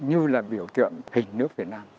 như là biểu tượng hình nước việt nam